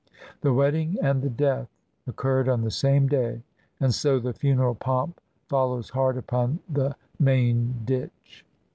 The wedding and the death occurred on the same day, and so the fimeral pomp fol lows hard upon the Mayndieh.